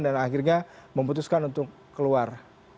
dan akhirnya memutuskan untuk keluar